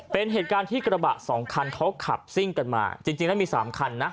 เป็นเหตุการณ์ที่กระบะสองคันเขาขับซิ่งกันมาจริงแล้วมีสามคันนะ